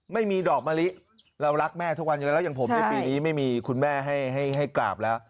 ไม่มีดอกมะลิเรารักแม่ทุกวันอยู่แล้วอย่างผมในปีนี้ไม่มีคุณแม่ให้กราบแล้ว